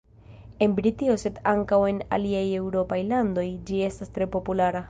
En Britio sed ankaŭ en aliaj eŭropaj landoj ĝi estas tre populara.